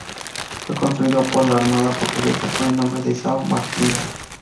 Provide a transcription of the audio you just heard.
Fue construido para la Armada portuguesa con el nombre de "São Martinho".